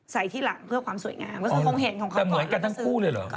ใส่ที่หลังเพื่อความสวยงามก็คงเห็นของเขาก่อนแล้วก็ซื้อ